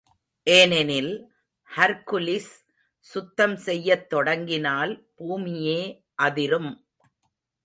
ஏனெனில், ஹர்க்குலிஸ் சுத்தம் செய்யத் தொடங்கினால், பூமியே அதிரும்!